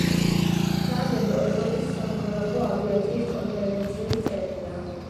სააგენტო ევროპის სამოქალაქო ავიაციის კონფერენციის წევრია.